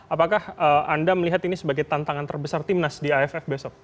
apakah anda melihat ini sebagai tantangan terbesar timnas di aff besok